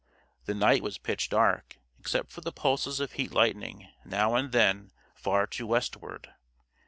The night was pitch dark, except for pulses of heat lightning, now and then, far to westward.